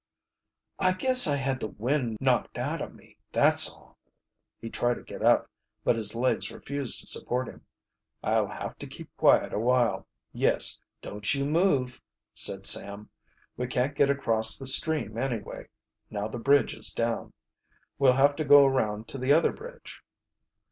"I guess I had the wind knocked out of me, that's all." He tried to get up, but his legs refused to support him. "I'll have to keep quiet awhile." "Yes, don't you move," said Sam. "We can't get across the stream anyway, now the bridge is down. We'll have to go around to the other bridge."